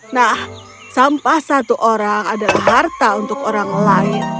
nah sampah satu orang adalah harta untuk orang lain